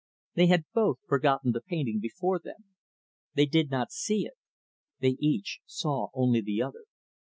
They had both forgotten the painting before them. They did not see it. They each saw only the other.